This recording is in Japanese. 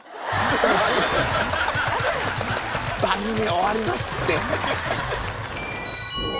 番組終わりますって。